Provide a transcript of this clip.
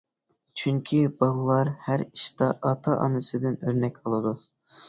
چۈنكى بالىلار ھەر ئىشتا ئاتا-ئانىسىدىن ئۆرنەك ئالىدۇ.